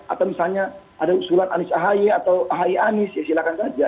atau misalnya ada usulan anies ahaye atau ahaye anies ya silakan saja